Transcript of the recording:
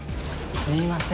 すみません。